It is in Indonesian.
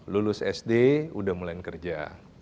lulus sd udah mulai kerja